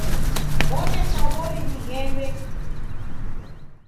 Bonya shwaw'ori dighende.